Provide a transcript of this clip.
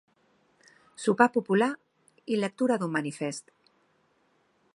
Sopar popular i lectura d'un manifest.